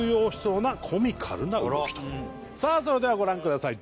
さあそれではご覧ください。